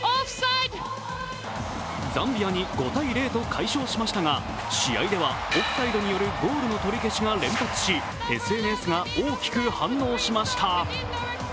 ザンビアに５−０と快勝しましたが試合ではオフサイドによるゴールの取り消しが連発しＳＮＳが大きく反応しました。